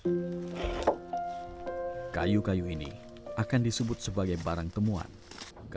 temuan seperti ini akan disita dan akan rutin dilelang oleh negara